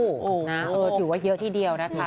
อื้อคือถือว่าเยอะที่เดียวนะคะ